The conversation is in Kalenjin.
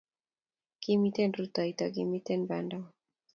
Kimite rutoito, kimitei banda o